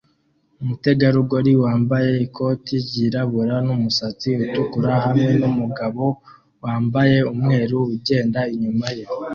umutegarugori wambaye ikoti ryirabura n'umusatsi utukura hamwe numugabo wambaye umweru ugenda inyuma ye